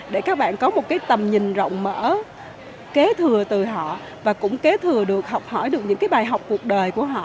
để các bạn có một tầm nhìn rộng mở kế thừa từ họ và cũng kế thừa được học hỏi được những cái bài học cuộc đời của họ